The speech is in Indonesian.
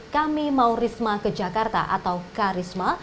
kami mau risma ke jakarta atau k risma